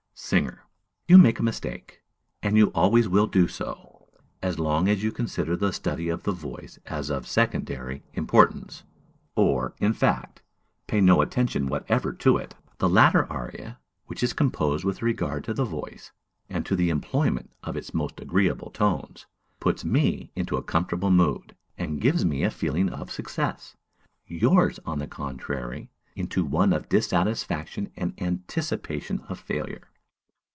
SINGER. You make a mistake, and you always will do so, as long as you consider the study of the voice as of secondary importance, or, in fact, pay no attention whatever to it. The latter aria, which is composed with a regard to the voice, and to the employment of its most agreeable tones, puts me into a comfortable mood, and gives me a feeling of success; yours, on the contrary, into one of dissatisfaction and anticipation of failure.